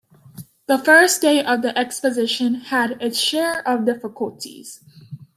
The first day of the Exposition had its share of difficulties.